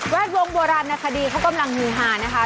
ดวงโบราณนาคดีเขากำลังฮือฮานะคะ